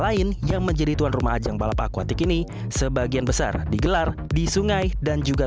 lain yang menjadi tuan rumah ajang balap akuatik ini sebagian besar digelar di sungai dan juga